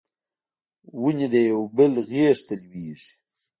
ونې د یو بل غیږ ته لویږي